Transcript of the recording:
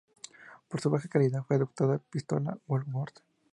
Por su baja calidad, fue apodada "Pistola Woolworth".